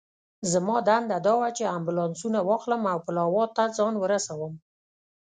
زما دنده دا وه چې امبولانسونه واخلم او پلاوا ته ځان ورسوم.